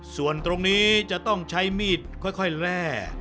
ส่วนตรงนี้จะต้องใช้มีดค่อยแร่